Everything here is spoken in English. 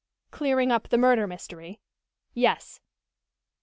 "Clearing up the murder mystery?" "Yes."